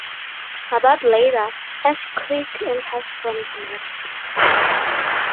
About later, Ash Creek enters from the left.